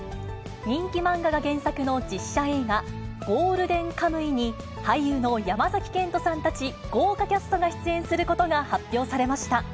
人気漫画が原作の実写映画、ゴールデンカムイに、俳優の山崎賢人さんたち豪華キャストが出演することが発表されました。